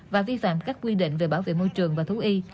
và vi phạm các quy định về bảo vệ môi trường và thú y